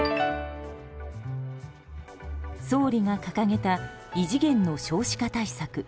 総理が掲げた異次元の少子化対策。